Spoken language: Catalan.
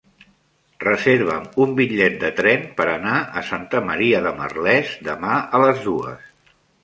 Reserva'm un bitllet de tren per anar a Santa Maria de Merlès demà a les dues.